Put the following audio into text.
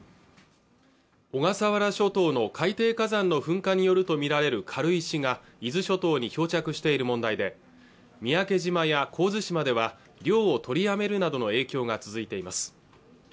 小笠原諸島の海底火山の噴火によると見られる軽石が伊豆諸島に漂着している問題で三宅島や神津島では漁を取りやめるなどの影響が続いています